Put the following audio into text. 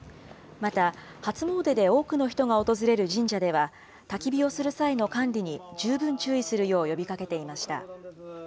また、初詣で多くの人が訪れる神社では、たき火をする際の管理に十分注意するよう呼びかけていました。